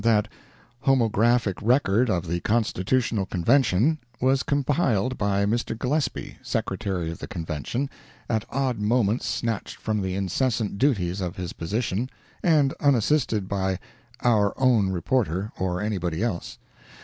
That "Homographic Record of the Constitutional Convention" was compiled by Mr. Gillespie, Secretary of the Convention, at odd moments snatched from the incessant duties of his position, and unassisted by "our own reporter" or anybody else.